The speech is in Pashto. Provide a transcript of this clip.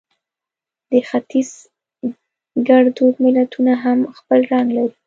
د ختیز ګړدود متلونه هم خپل رنګ لري